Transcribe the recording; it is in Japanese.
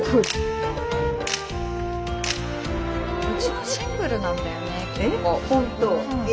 うちのシンプルなんだよね結構。え？